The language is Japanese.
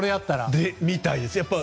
そうみたいです。